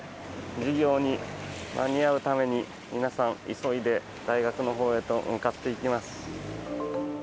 授業に間に合うために皆さん、急いで大学のほうへと向かっていきます。